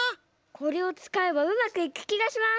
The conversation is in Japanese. これをつかえばうまくいくきがします。